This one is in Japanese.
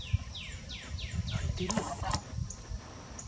泣いてるよね。